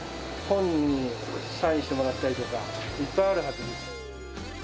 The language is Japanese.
本人にサインしてもらったりとか、いっぱいあるはずです。